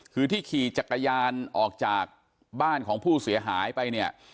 คือที่ขี่จักรยานออกจากบ้านของผู้เสียหายไปเนี่ย